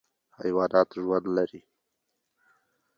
حیوانات ژوند لري.